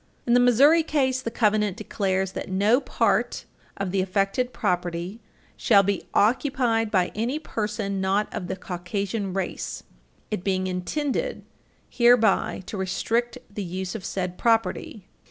In the Missouri case, the covenant declares that no part of the Page 334 U. S. 10 affected property shall be "occupied by any person not of the Caucasian race, it being intended hereby to restrict the use of said property